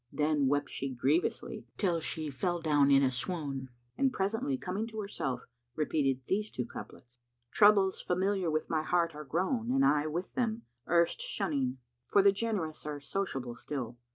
Then wept she grievously, till she fell down in a swoon, and presently coming to herself, repeated these two couplets,[FN#158] "Troubles familiar with my heart are grown and I with them, * Erst shunning; for the generous are sociable still.